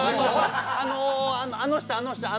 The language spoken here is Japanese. あのあのあの人あの人あの。